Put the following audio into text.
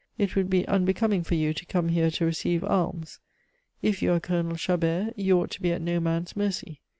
It would be unbecoming for you to come here to receive alms. If you are Colonel Chabert, you ought to be at no man's mercy.